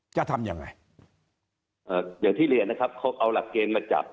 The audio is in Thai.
จะทำยังไงเอ่ออย่างที่เรียนนะครับเขาเอาหลักเกณฑ์มาจับ